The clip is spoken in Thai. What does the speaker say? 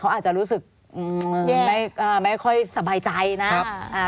เขาอาจจะรู้สึกอืมไม่อ่าไม่ค่อยสบายใจนะครับอ่า